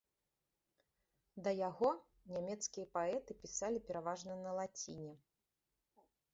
Да яго нямецкія паэты пісалі пераважна на лаціне.